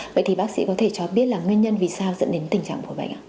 vậy thì bác sĩ có thể cho biết là nguyên nhân vì sao dẫn đến tình trạng của bệnh ạ